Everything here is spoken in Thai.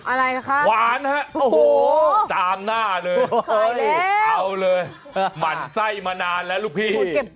อะไรคะหวานฮะโอ้โหตามหน้าเลยเอาเลยหมั่นไส้มานานแล้วลูกพี่